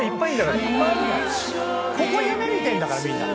ここ夢見てんだからみんな。